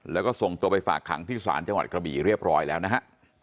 แล้วก็ส่งตัวไปฝากขังที่ศาลจังหวัดกระบี่เรียบร้อยแล้วนะฮะ